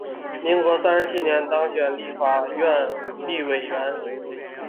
民国三十七年当选立法院立法委员。